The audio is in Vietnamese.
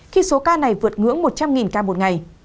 khi số ca này vượt ngưỡng một trăm linh ca một ngày